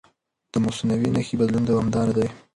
د مصنوعي نښې بدلون دوامداره دی.